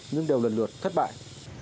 nhưng đều lần lượt thất bại